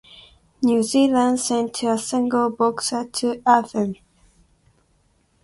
New Zealand sent a single boxer to Athens.